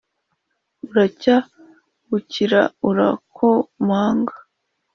Buracya bukira urakomanga